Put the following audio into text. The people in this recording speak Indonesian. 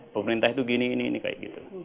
pemerintah itu gini ini ini kayak gitu